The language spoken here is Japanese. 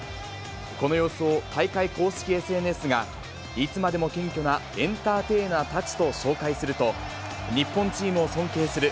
この様子を大会公式ＳＮＳが、いつまでも謙虚なエンターテイナーたちと紹介すると、日本チームを尊敬する。